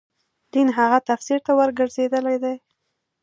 دین هغه تفسیر ته ورګرځېدل دي.